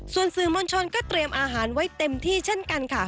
ส่วนสื่อมวลชนก็เตรียมอาหารไว้เต็มที่เช่นกันค่ะ